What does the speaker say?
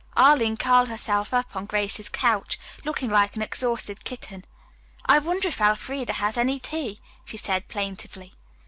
Arline curled herself up on Grace's couch, looking like an exhausted kitten. "I wonder if Elfreda has any tea," she said plaintively.